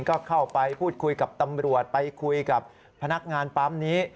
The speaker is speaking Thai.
ก็เข้าไปพูดคุยกับตำรวจไปคุยกับพนักงานปั๊มนี้